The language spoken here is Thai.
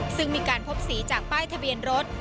ซึ่งมีการพบสีจากป้ายทะเบียนรถ